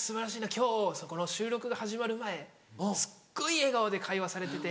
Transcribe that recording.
今日この収録が始まる前すっごい笑顔で会話されてて。